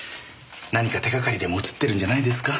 何か手がかりでも写ってるんじゃないですか？